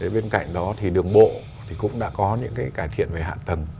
bên cạnh đó thì đường bộ cũng đã có những cải thiện về hạ tầng